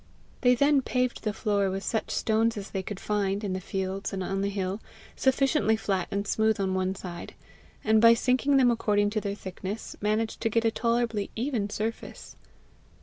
They then paved the floor with such stones as they could find, in the fields and on the hill, sufficiently flat and smooth on one side, and by sinking them according to their thickness, managed to get a tolerably even surface.